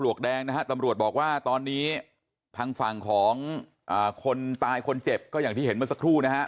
วกแดงนะฮะตำรวจบอกว่าตอนนี้ทางฝั่งของคนตายคนเจ็บก็อย่างที่เห็นเมื่อสักครู่นะฮะ